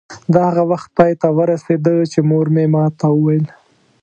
دا هغه وخت پای ته ورسېده چې مور مې ما ته وویل.